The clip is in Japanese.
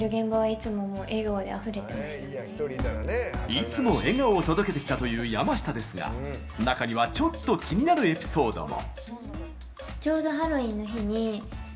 いつも笑顔を届けてきたという山下ですが、中にはちょっと気になるエピソードも。